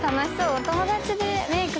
お友達でメイクするの。